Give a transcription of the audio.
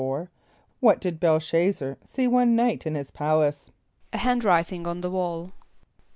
= What did B[)e]l sh[)a]z´zar see one night in his palace? =A hand writing on the wall.